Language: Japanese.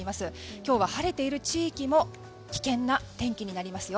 今日は、晴れている地域も危険な天気になりますよ。